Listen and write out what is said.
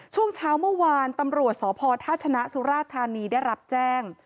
ช่วงเช้าเมื่อวานตำรวจสพท่าชนะสุราธานีได้รับแจ้ง